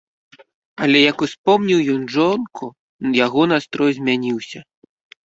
Але як успомніў ён жонку, яго настрой змяніўся.